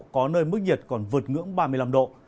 có nơi mức nhiệt còn vượt ngưỡng ba mươi năm độ